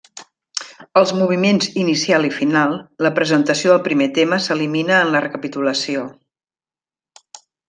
Els moviments inicial i final, la presentació del primer tema s'elimina en la recapitulació.